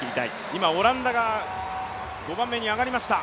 今、オランダが５番目に上がりました。